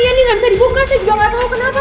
iya nih gak bisa dibuka saya juga gak tau kenapa